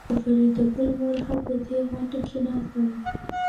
د فریدګل مور هم په دې غونډه کې ناسته وه